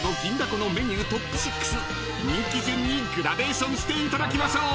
このメニュートップ６人気順にグラデーションしていただきましょう］